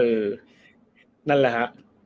เออนั่นแหละ